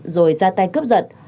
rồi ra tay cấp giật